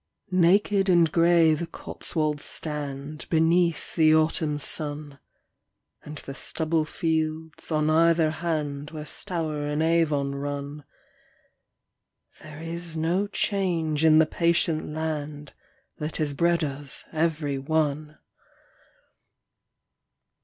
Naked and grey the Cotswolds stand Before Beneath the autumn sun, Edgehill And the stubble fields on either hand October Where Stour and Avon run, 1642. There is no change in the patient land That has bred us every one.